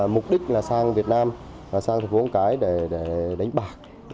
mục đích là sang việt nam sang thị phố mong cái để đánh bạc